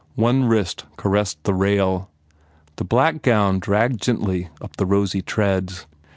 One wrist caressed the rail. The black gown dragged gently up the rosy treads.